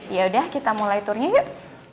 ya udah kita mulai turnya yuk